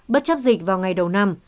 bất chấp dịch vào ngày đầu năm